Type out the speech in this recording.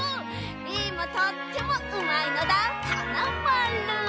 リンもとってもうまいのだ。はなまる。